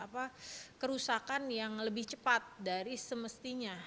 jadi kerusakan yang lebih cepat dari semestinya